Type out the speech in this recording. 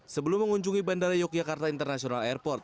sebelum mengunjungi bandara yogyakarta international airport